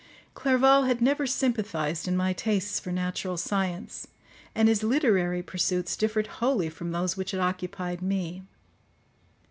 Clerval had never sympathised in my tastes for natural science; and his literary pursuits differed wholly from those which had occupied me.